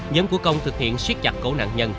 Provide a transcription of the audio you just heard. nhóm của công thực hiện suyết chặt cấu nạn nhân